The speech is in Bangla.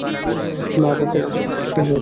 মা বাবা খুব খুশি হয়েছেন।